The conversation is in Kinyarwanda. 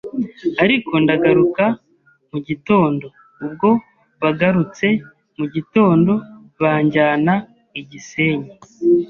ariko ndagaruka mu gitondo, ubwo bagarutse mugitondo banjyana I gisenyi